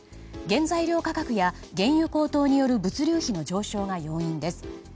原材料価格や、原油高騰による物流費の上昇が要因です。